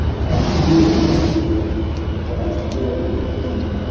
I feel thy worth, thou more than friend.